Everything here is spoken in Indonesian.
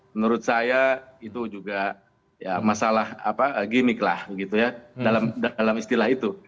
menurut saya itu juga ya masalah gimmick lah gitu ya dalam istilah itu